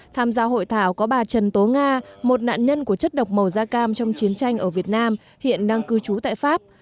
tham gia hội thảo có bà trần tố nga một nạn nhân của chất độc màu da cam trong chiến tranh ở việt nam hiện đang cư trú tại pháp